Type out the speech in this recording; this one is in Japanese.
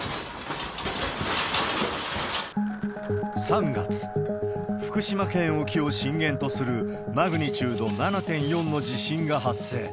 ３月、福島県沖を震源とするマグニチュード７．４の地震が発生。